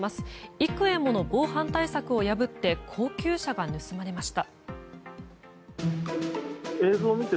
幾重もの防犯対策を破って高級車が盗まれました。